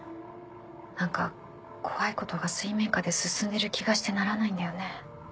何か怖いことが水面下で進んでる気がしてならないんだよね。